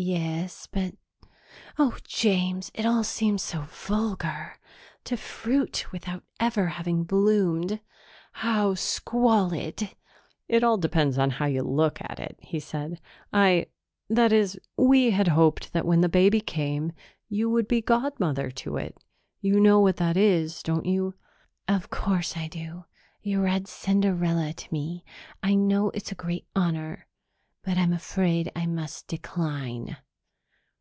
"Yes, but oh, James, it all seems so vulgar! To fruit without ever having bloomed how squalid!" "It all depends on how you look at it," he said. "I that is, we had hoped that when the baby came, you would be godmother to it. You know what that is, don't you?" "Of course I do. You read Cinderella to me. I know it's a great honor. But I'm afraid I must decline."